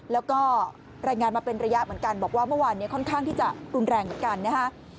แล้วก็รายงานมาเป็นระยะเหมือนกันบอกว่าเมื่อวานนี้ค่อนข้างที่จะรุนแรงเหมือนกันนะฮะ